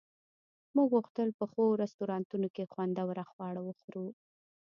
موږ غوښتل په ښو رستورانتونو کې خوندور خواړه وخورو